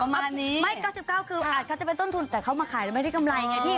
แบบนี้ไม่๙๙คืออาจจะเป็นต้นทุนแต่เขามาขายแล้วไม่ได้กำไรไงพี่